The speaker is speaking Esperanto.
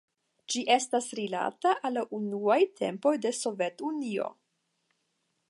Ĝi estas rilata al la unuaj tempoj de Sovetunio.